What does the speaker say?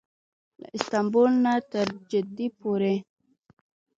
له استانبول نه تر جدې پورې.